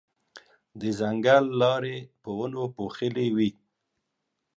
د ځنګل لارې په ونو پوښلې وې.